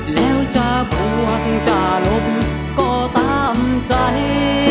แล้วจะบวกจะลมก็ตามใจ